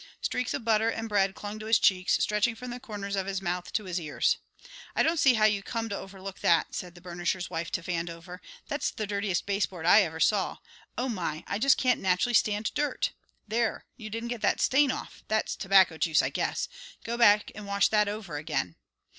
Streaks of butter and bread clung to his cheeks, stretching from the corners of his mouth to his ears. "I don't see how you come to overlook that," said the burnisher's wife to Vandover. "That's the dirtiest baseboard I ever saw. Oh, my! I just can't naturally stand dirt! There, you didn't get that stain off. That's tobacco juice, I guess. Go back and wash that over again."